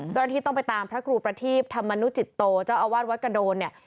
เจ้าหน้าที่ต้องไปตามพระครูประทีปธรรมนุจิตโตเจ้าอาวาสวัดกระโดนเนี่ย